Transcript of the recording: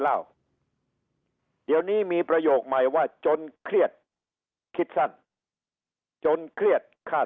เล่าเดี๋ยวนี้มีประโยคใหม่ว่าจนเครียดคิดสั้นจนเครียดค่า